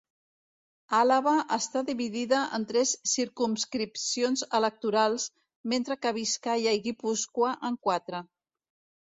Àlaba està dividida en tres circumscripcions electorals mentre que Biscaia i Guipúscoa en quatre.